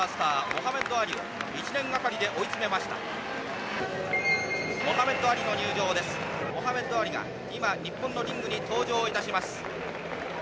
モハメド・アリが今、日本のリングに登場いたします。